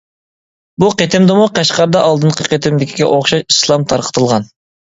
بۇ قېتىمدىمۇ قەشقەردە ئالدىنقى قېتىمدىكىگە ئوخشاش ئىسلام تارقىتىلغان.